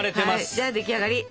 じゃあ出来上がり！